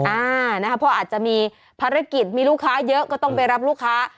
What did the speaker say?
อ่านะคะพออาจจะมีภารกิจมีลูกค้าเยอะก็ต้องไปรับลูกค้า